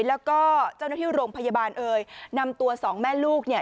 แล้วก็เจ้าหน้าที่โรงพยาบาลเอ่ยนำตัวสองแม่ลูกเนี่ย